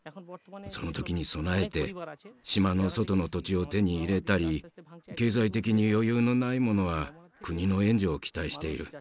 そのときに備えて島の外の土地を手に入れたり経済的に余裕のない者は国の援助を期待している。